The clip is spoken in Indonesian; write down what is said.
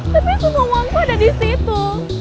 tapi semua uangku ada disitu